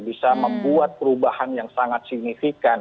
bisa membuat perubahan yang sangat signifikan